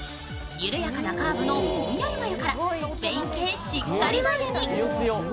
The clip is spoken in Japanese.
ゆるやかなカーブのぼんやり眉からスペイン系しっかり眉に。